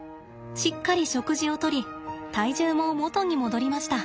しっかり食事をとり体重も元に戻りました。